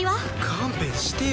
勘弁してよ